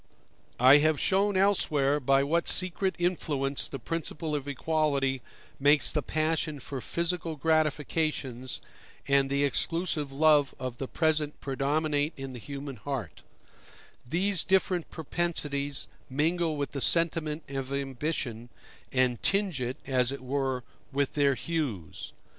I have shown elsewhere by what secret influence the principle of equality makes the passion for physical gratifications and the exclusive love of the present predominate in the human heart: these different propensities mingle with the sentiment of ambition, and tinge it, as it were, with their hues.